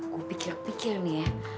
gue pikir pikir nih ya